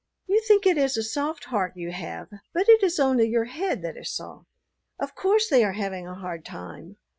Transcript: "You think it is a soft heart you have, but it is only your head that is soft. Of course they are having a hard time.